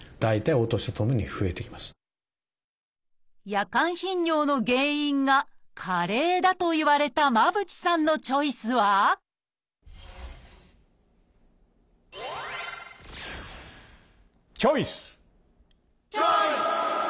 夜間頻尿の原因が加齢だと言われた間渕さんのチョイスはチョイス！